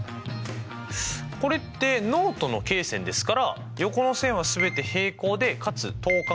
これってノートの罫線ですから横の線は全て平行でかつ等間隔ですよね。